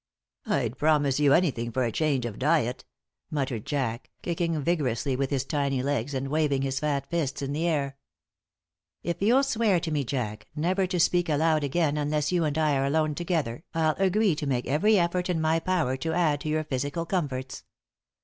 "I'd promise you anything for a change of diet," muttered Jack, kicking vigorously with his tiny legs and waving his fat fists in the air. "If you'll swear to me, Jack, never to speak aloud again unless you and I are alone together, I'll agree to make every effort in my power to add to your physical comforts."